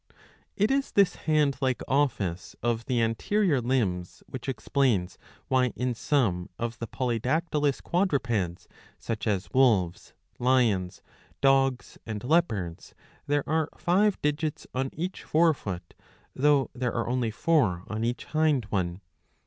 ^" It is this hand like office of the anterior limbs which explains 688a. 126 i V. I o. why in some of the polydactylous quadrupeds, such as wolves, lions, dogs, and leopards, there are five digits on each fore foot, though there are only four on each hind one.